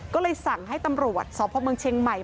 ก็เลยสั่งให้ตำรวจสพเมืองเชียงใหม่